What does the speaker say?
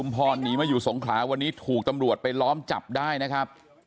พรหนีมาอยู่สงขลาวันนี้ถูกตำรวจไปล้อมจับได้นะครับ